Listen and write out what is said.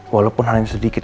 walaupun hanya sedikit